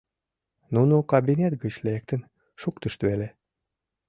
Нуно кабинет гыч лектын шуктышт веле...